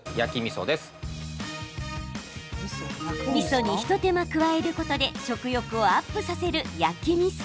みそに一手間加えることで食欲をアップさせる焼きみそ。